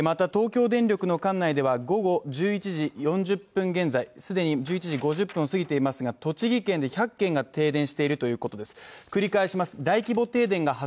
また東京電力の管内では午後１１時４０分現在、既に１１時５０分過ぎていますが、栃木県で１００軒が停電しているということです。